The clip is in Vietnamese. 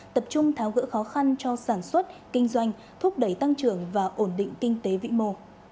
tập trung tháo gỡ khó khăn cho sản xuất kinh doanh thúc đẩy tăng trưởng và ổn định kinh tế vĩ mô